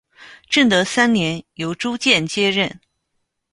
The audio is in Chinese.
正德三年由朱鉴接任。